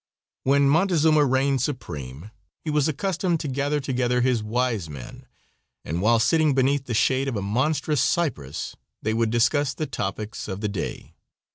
When Montezuma reigned supreme he was accustomed to gather together his wise men, and while sitting beneath the shade of a monstrous cypress they would discuss the topics of the day.